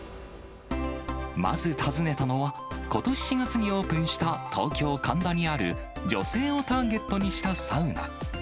まず訪ねたのは、ことし４月にオープンした東京・神田にある、女性をターゲットにしたサウナ。